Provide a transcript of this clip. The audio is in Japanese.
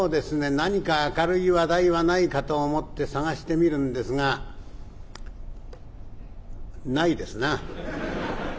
何か明るい話題はないかと思って探してみるんですがないですな。